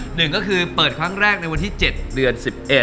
หนึ่งก็คือเปิดครั้งแรกในวันที่๗เดือน๑๑